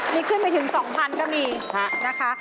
มีขึ้นไปถึง๒๐๐ก็มีนะคะ